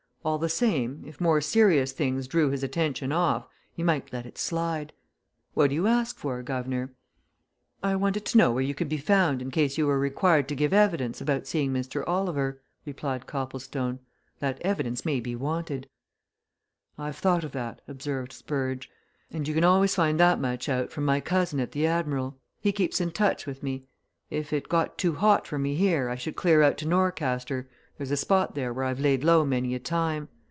All the same, if more serious things drew his attention off, he might let it slide. What do you ask for, guv'nor?" "I wanted to know where you could be found in case you were required to give evidence about seeing Mr. Oliver," replied Copplestone. "That evidence may be wanted." "I've thought of that," observed Spurge. "And you can always find that much out from my cousin at the 'Admiral.' He keeps in touch with me if it got too hot for me here, I should clear out to Norcaster there's a spot there where I've laid low many a time.